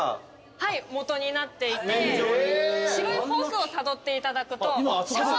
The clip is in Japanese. はいもとになっていて白いホースをたどっていただくとシャワーのような。